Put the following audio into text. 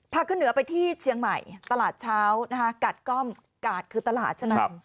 ขึ้นเหนือไปที่เชียงใหม่ตลาดเช้านะคะกาดก้อมกาดคือตลาดใช่ไหม